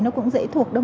nó cũng dễ thuộc đâu